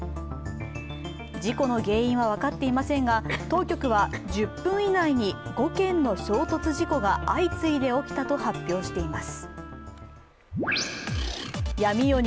事故の原因は分かっていませんが、当局は１０分以内に５件の衝突事故が相次いで起きたと発表しています。